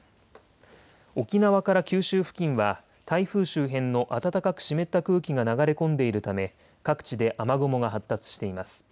沖縄から九州付近は台風周辺の暖かく湿った空気が流れ込んでいるため各地で雨雲が発達しています。